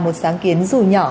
một sáng kiến dù nhỏ